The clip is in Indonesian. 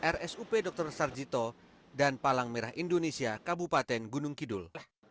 rsup dr sarjito dan palang merah indonesia kabupaten gunung kidul